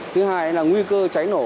thứ hai là nguy cơ cháy nổ